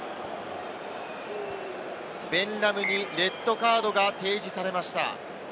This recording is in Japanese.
ベン・ラムにレッドカードが提示されました。